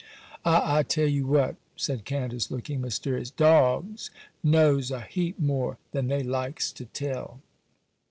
'Ah, I tell ye what,' said Candace, looking mysterious, 'dogs knows a heap more than they likes to tell!